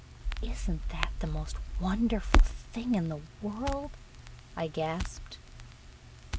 "Is n't that the most wonderful thing in the world?" I gasped.